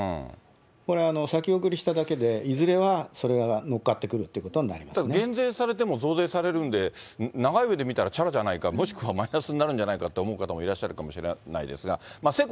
これ、先送りしただけで、いずれはそれは乗っかってくるというこ減税されても増税されるんで、長い目で見たらちゃらじゃないか、もしくはマイナスになるんじゃないかという方もいらっしゃるかもしれないですが。